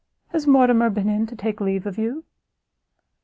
Has Mortimer been in to take leave of you?"